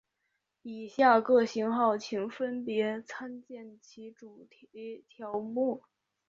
以下各型号请分别参见其主题条目。